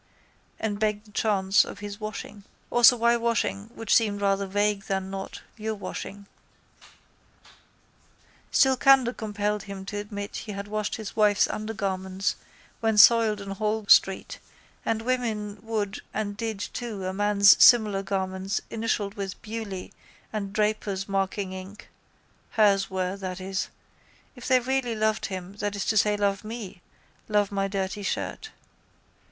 and begged the chance of his washing. Also why washing which seemed rather vague than not, your washing. Still candour compelled him to admit he had washed his wife's undergarments when soiled in Holles street and women would and did too a man's similar garments initialled with Bewley and Draper's marking ink (hers were, that is) if they really loved him, that is to say, love me, love my dirty shirt.